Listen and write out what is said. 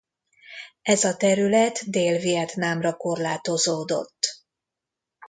Ez a terület Dél-Vietnámra korlátozódott.